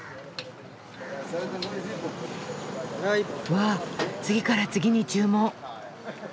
うわ次から次に注文。